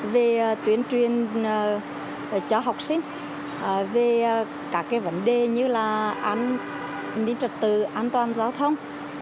về tuyên truyền cho học sinh về các vấn đề như là an ninh trật tự an toàn giao thông